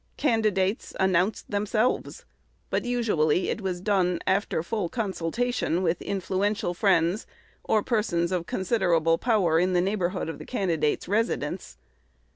Candidates announced themselves; but, usually, it was done after full consultation with influential friends, or persons of considerable power in the neighborhood of the candidate's residence.